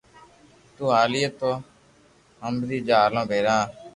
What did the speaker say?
تو ھالي تو ھمبري جا ھالو ڀيرا